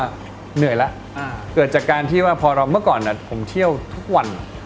เหนื่อยแล้วเกิดจากการที่ว่าพอเราเมื่อก่อนผมเที่ยวทุกวัน